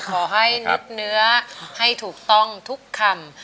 ขอให้นึกเนื้อให้ถูกต้องทุกคำ